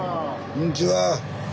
こんにちは。